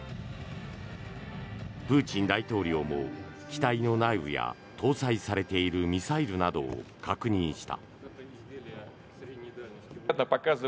プーチン大統領も機体の内部や搭載されているミサイルなどを確認した。